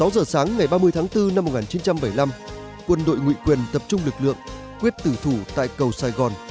sáu giờ sáng ngày ba mươi tháng bốn năm một nghìn chín trăm bảy mươi năm quân đội ngụy quyền tập trung lực lượng quyết tử thủ tại cầu sài gòn